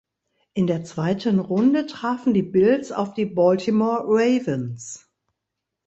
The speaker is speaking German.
In der zweiten Runde trafen die Bills auf die Baltimore Ravens.